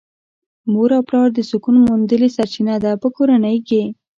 مور او پلار د سکون موندلې سرچينه ده په کورنۍ کې .